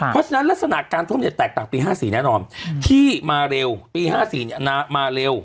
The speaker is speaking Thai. เพราะฉะนั้นลักษณะการท่วมเนี้ยแตกต่างปีห้าสี่แน่นอนที่มาเร็วปีห้าสี่เนี้ยน้ำมาเร็ว